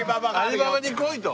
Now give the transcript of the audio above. アリババに来いと。